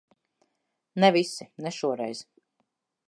Ne visi. Ne šoreiz.